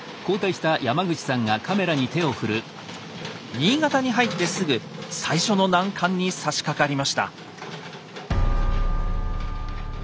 新潟に入ってすぐ最初の難関にさしかかりました。